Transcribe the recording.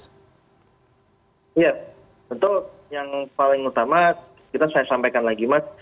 iya tentu yang paling utama kita saya sampaikan lagi mas